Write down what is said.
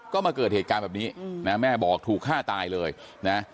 ก็มาเกิดเหตุการณ์แบบนี้นะแม่บอกถูกฆ่าตายเลยนะ